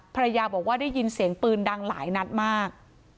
ภรรยาบอกว่าได้ยินเสียงปืนดังหลายนัดมาก